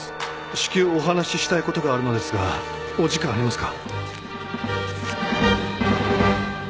「至急お話したいことがあるのですがお時間ありますか？」